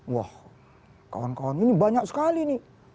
wah kawan kawan ini banyak sekali nih